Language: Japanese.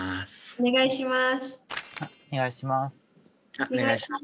お願いします。